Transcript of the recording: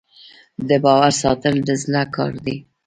د باور ساتل د زړه کار دی.